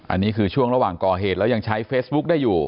อันนี้คือช่วงระหว่างก่อเหตุแล้วยังใช้เฟซบุ๊คได้อยู่